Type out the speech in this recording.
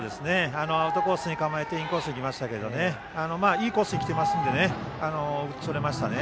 アウトコースに構えてインコースに来ましたけどいいコースに来ていますので打ち取れましたね。